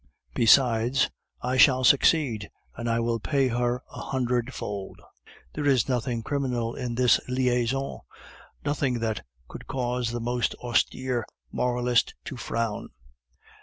Besides, I shall succeed, and I will pay her a hundredfold. There is nothing criminal in this liaison; nothing that could cause the most austere moralist to frown.